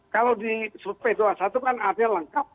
kalau di p dua puluh satu kan artinya lengkap